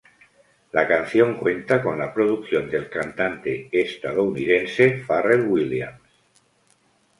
La canción cuenta con la producción del cantante estadounidense Pharrell Williams.